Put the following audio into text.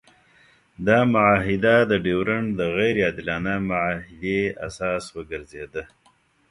دا معاهده د ډیورنډ د غیر عادلانه معاهدې اساس وګرځېده.